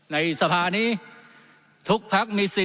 ทั้งสองกรณีผลเอกประยุทธ์